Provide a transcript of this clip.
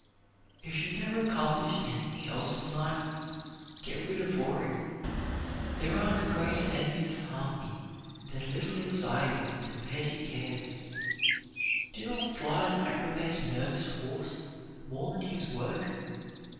If you never accomplish anything else in life, get rid of worry. There are no greater enemies of harmony than little anxieties and petty cares. Do not flies aggravate a nervous horse more than his work?